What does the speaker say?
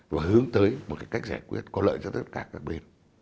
và hướng tới một cái cách giải quyết có lợi cho tất cả các bên